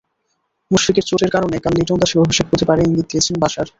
মুশফিকের চোটের কারণেই কাল লিটন দাসের অভিষেক হতে পারে ইঙ্গিত দিয়েছেন বাশার।